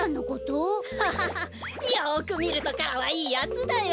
ハハハよくみるとかわいいやつだよ。